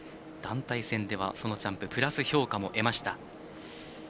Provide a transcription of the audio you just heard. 団体戦ではそのジャンププラス評価も得ました。